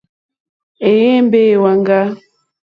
Éyěmbé é wáŋɡà.